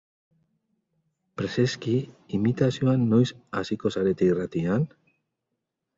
Preseski, imitazioan noiz hasiko zarete irratian?